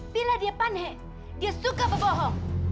bila dia panen dia suka berbohong